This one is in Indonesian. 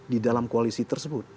di dalam koalisi tersebut